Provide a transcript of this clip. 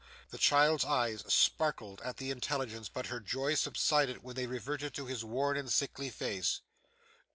The child's eyes sparkled at the intelligence, but her joy subsided when they reverted to his worn and sickly face.